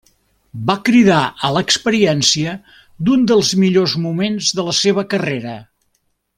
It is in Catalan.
Va cridar a l'experiència d'un dels millors moments de la seva carrera.